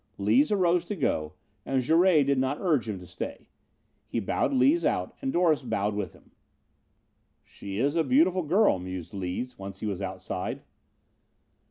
Lees arose to go and Jouret did not urge him to stay. He bowed Lees out and Doris bowed with him. "She is a beautiful girl," mused Lees once he was outside.